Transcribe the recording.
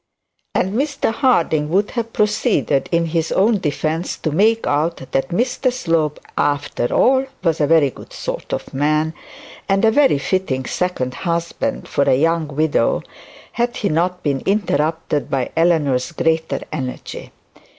And Mr Harding would have proceeded in his own defence to make out that Mr Slope after all was a very good sort of man, and a very fitting second husband for a young widow, had he not been interrupted by Eleanor's greater energy.